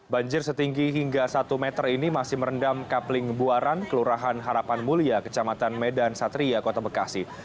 banjir setinggi hingga satu meter ini masih merendam kapling buaran kelurahan harapan mulia kecamatan medan satria kota bekasi